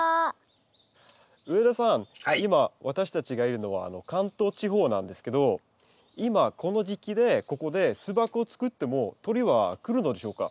今私たちがいるのは関東地方なんですけど今この時期でここで巣箱を作っても鳥は来るのでしょうか？